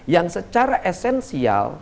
yang secara esensial